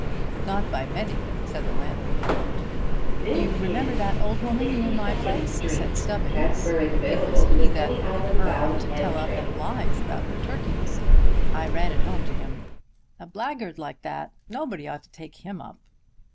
"Not by many," said the landlord. "You remember that old woman near my place?" said Stubbings. "It was he that put her up to tell all them lies about her turkeys. I ran it home to him! A blackguard like that! Nobody ought to take him up."